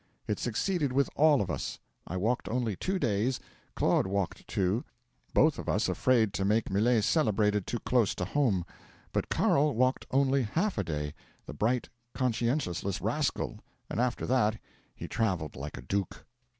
It succeeded with all of us. I walked only two days, Claude walked two both of us afraid to make Millet celebrated too close to home but Carl walked only half a day, the bright, conscienceless rascal, and after that he travelled like a duke.